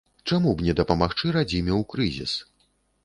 Чаму б не дапамагчы радзіме ў крызіс.